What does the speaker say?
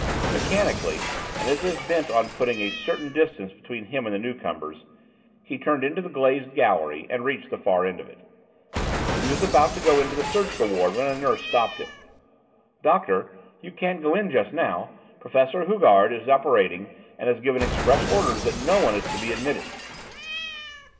Mechanically, and as if bent on putting a certain distance between him and the new comers, he turned into the glazed gallery, and reached the far end of it. He was about to go into the surgical ward when a nurse stopped him. "Doctor, you can't go in just now; Professor Hugard is operating and has given express orders that no one is to be admitted."